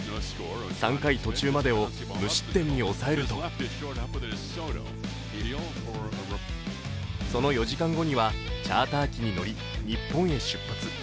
３回途中までを無失点に抑えるとその４時間後にはチャーター機に乗り、日本へ出発。